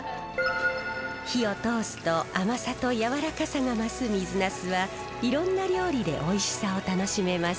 火を通すと甘さとやわらかさが増す水ナスはいろんな料理でおいしさを楽しめます。